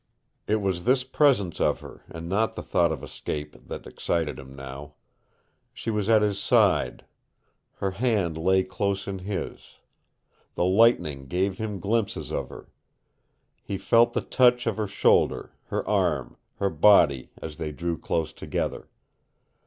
It was this presence of her, and not the thought of escape, that exalted him now. She was at his side. Her hand lay close in his. The lightning gave him glimpses of her. He felt the touch of her shoulder, her arm, her body, as they drew close together.